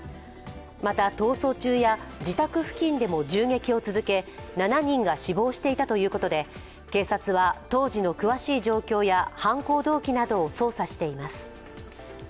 また、逃走中や自宅付近でも銃撃を続け、７人が死亡していたということで警察は当時の詳しい状況や犯行動機などを捜査しています。